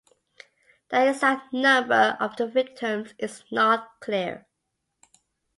The exact number of the victims is not clear.